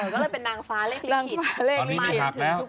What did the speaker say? ก็เลยเป็นนางฟ้าเลขลิกผิด